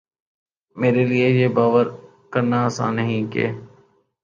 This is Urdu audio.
میرے لیے یہ باور کرنا آسان نہیں کہ